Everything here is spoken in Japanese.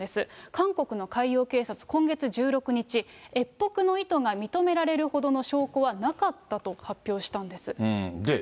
韓国の海洋警察、今月１６日、越北の意図が認められるほどの証拠はなかったと発表したんです。